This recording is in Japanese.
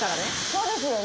そうですよね？